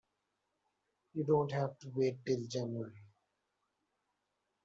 You don't have to wait till January.